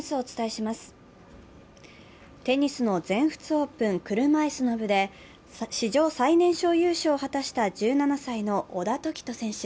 テニスの全仏オープン・車いすの部で史上最年少優勝を果たした１７歳の小田凱人選手。